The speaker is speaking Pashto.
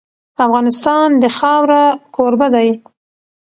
افغانستان د خاوره کوربه دی.